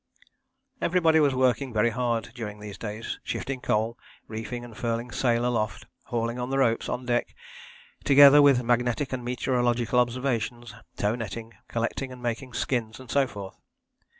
Everybody was working very hard during these days; shifting coal, reefing and furling sail aloft, hauling on the ropes on deck, together with magnetic and meteorological observations, tow netting, collecting and making skins and so forth.